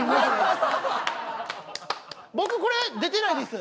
僕これ出てないです。